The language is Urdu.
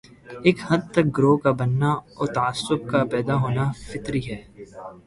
ایک حد تک گروہ کا بننا اور تعصب کا پیدا ہونا فطری ہے۔